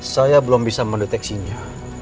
saya belum bisa mendeteksinya